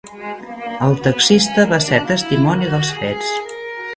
El taxista va ser testimoni dels fets.